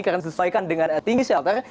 karena disesuaikan dengan tinggi shelter